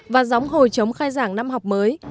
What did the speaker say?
và gióng hồi chống khai giảng năm học mới